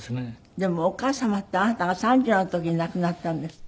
でもお母様ってあなたが３０の時に亡くなったんですって？